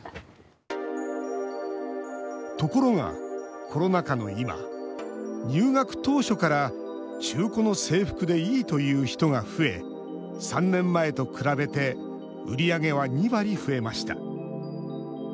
ところが、コロナ禍の今入学当初から中古の制服でいいという人が増え３年前と比べて売り上げは２割増えました。